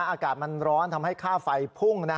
อากาศมันร้อนทำให้ค่าไฟพุ่ง